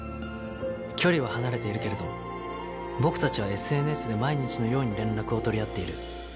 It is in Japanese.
距離は離れているけれど僕たちはＳＮＳで毎日のように連絡を取り合っている。